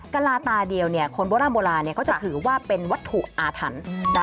กระลาตาเดียวคนโบราณโบราณก็จะถือว่าเป็นวัตถุอาถรรพ์